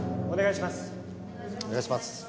お願いします。